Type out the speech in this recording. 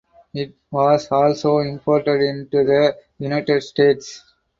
It was also imported into the United States.